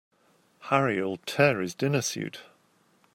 Harry'll tear his dinner suit.